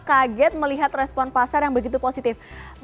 kaget melihat respon pasar yang begitu positif